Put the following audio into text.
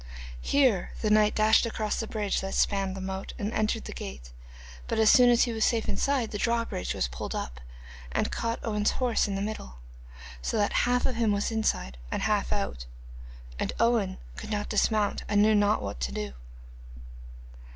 Here the knight dashed across the bridge that spanned the moat, and entered the gate, but as soon as he was safe inside, the drawbridge was pulled up and caught Owen's horse in the middle, so that half of him was inside and half out, and Owen could not dismount and knew not what to do.